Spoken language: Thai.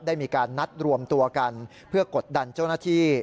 ได้มีการนัดรวมตัวกันเพื่อกดดันเจ้าหน้าที่